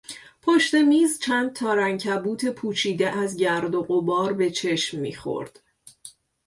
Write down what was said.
پشت میز چند تار عنکبوت پوشیده از گرد و غبار به چشم میخورد.